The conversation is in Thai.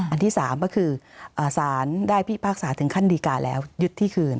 อันที่๓ก็คือสารได้พิพากษาถึงขั้นดีการแล้วยึดที่คืน